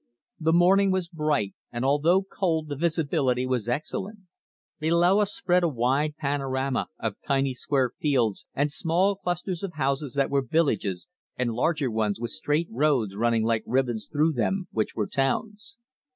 The morning was bright, and although cold the visibility was excellent. Below us spread a wide panorama of tiny square fields and small clusters of houses that were villages, and larger ones with straight roads running like ribbons through them, which were towns.